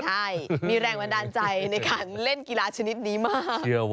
ใช่มีแรงบันดาลใจในการเล่นกีฬาชนิดนี้มาก